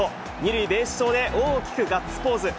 ２塁ベース上で大きくガッツポーズ。